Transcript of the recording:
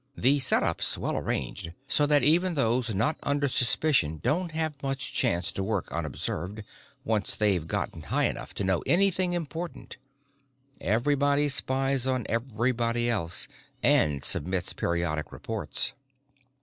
The set up's well arranged, so that even those not under suspicion don't have much chance to work unobserved, once they've gotten high enough to know anything important. Everybody spies on everybody else and submits periodic reports."